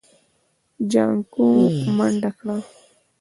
جانکو منډه کړه.